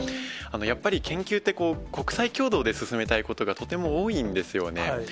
やっぱり研究って、国際共同で進めたいことが、とても多いんですよね。